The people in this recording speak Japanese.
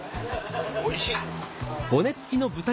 おいしい。